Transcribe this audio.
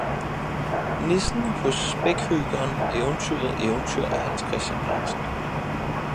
Nissen hos spækhøkeren eventyret eventyr af hans christian andersen h